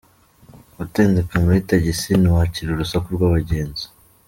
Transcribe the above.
Gutendeka muri taxi, ntiwakira urusaku rw’abagenzi.